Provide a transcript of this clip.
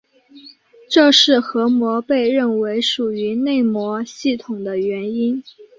这是核膜被认为属于内膜系统的原因。